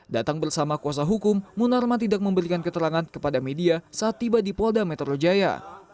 datang bersama kuasa hukum munarman tidak memberikan keterangan kepada media saat tiba di polda metro jaya